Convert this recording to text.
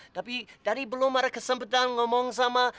tapi dari belum ada kesempatan ngomong sama